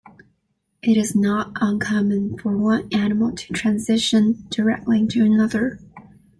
It is not uncommon for one animal to transition directly into another.